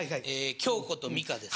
恭子と美香です。